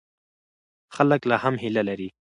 خلک لا هم هیله لري.